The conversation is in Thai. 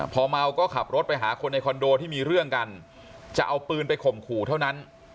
พอเมาก็ขับรถไปหาคนในคอนโดที่มีเรื่องกันจะเอาปืนไปข่มขู่เท่านั้น